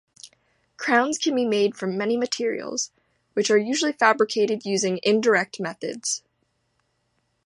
Crowns can be made from many materials, which are usually fabricated using "indirect methods".